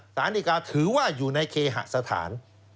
สารดีกาถือว่าอยู่ในเคหสถาน